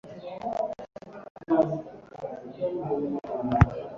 Ibinini bya finasteride cg dutasteride